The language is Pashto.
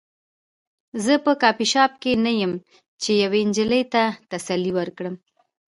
زه په کافي شاپ کې نه یم چې یوې نجلۍ ته تسلي ورکړم